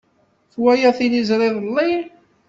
Twalaḍ tiliẓri iḍelli.